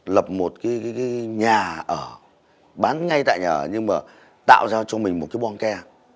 lập một cái nhà ở bán ngay tại nhà ở nhưng mà tạo ra cho mình một cái bon kè